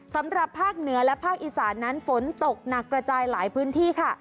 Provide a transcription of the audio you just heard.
สำหรับภาคเหนือและภาคอีสานนั้นฝนตกหนักกระจายหลายพื้นที่ค่ะ